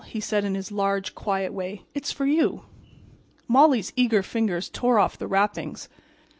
he said in his large, quiet way. "It's for you." Molly's eager fingers tore off the wrappings.